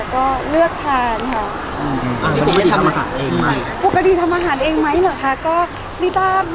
ก็เลือกทานค่ะ